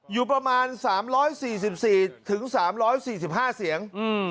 อยู่ประมาณ๓๔๔๓๔๕เสียง